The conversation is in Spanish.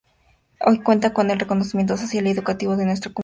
Hoy cuenta con el reconocimiento social y educativo de nuestra comunidad.